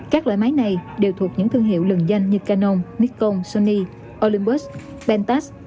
các loại máy này đều thuộc những thương hiệu lừng danh như canon nikon sony olympus pentax